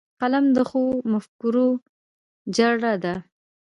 قلم د ښو مفکورو جرړه ده